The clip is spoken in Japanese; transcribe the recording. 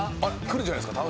来るんじゃないですか。